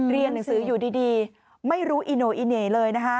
เรียนหนังสืออยู่ดีไม่รู้อีโนอิเน่เลยนะคะ